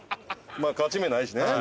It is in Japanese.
まあ勝ち目ないしね。